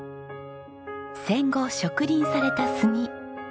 戦後植林された杉。